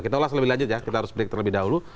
kita ulas lebih lanjut ya kita harus break terlebih dahulu